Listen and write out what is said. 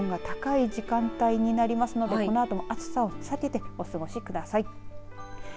１日のうちでも一番気温が高い時間帯になりますのでこのあとも暑さを避けてお過ごしください。